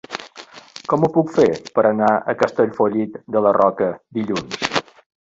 Com ho puc fer per anar a Castellfollit de la Roca dilluns?